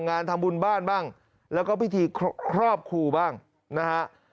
งานทำบุญบ้านบ้างแล้วก็พิธีครอบครูบ้างนะฮะ